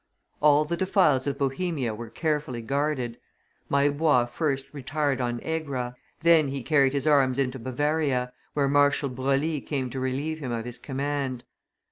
All the defiles of Bohemia were carefully guarded; Maillebois first retired on Egra, then he carried his arms into Bavaria, where Marshal Broglie came to relieve him of his command.